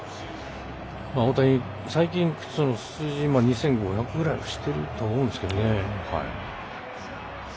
大谷、最近、数字２５００ぐらいはしてると思うんですけどね。